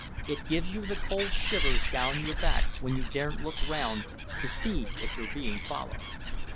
It gives you the cold shivers down your back when you daren't look round to see if you're being followed."